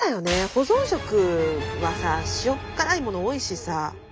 保存食はさ塩っ辛いもの多いしさ。